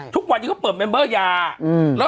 ทุกวันนี้ได้เปิดเมมเบอร์อย่างนี้